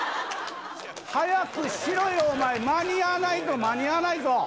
早くしろよ、お前、間に合わないぞ、間に合わないぞ。